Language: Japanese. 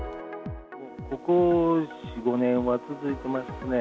ここ４、５年は続いてますね。